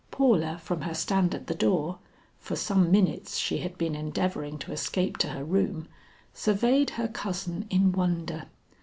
Paula from her stand at the door for some minutes she had been endeavoring to escape to her room surveyed her cousin in wonder.